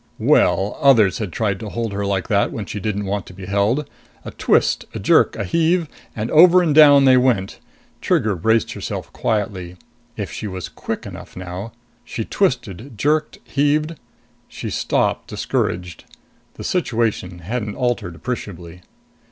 Well, others had tried to hold her like that when she didn't want to be held. A twist, a jerk, a heave and over and down they went. Trigger braced herself quietly. If she was quick enough now She twisted, jerked, heaved. She stopped, discouraged. The situation hadn't altered appreciably.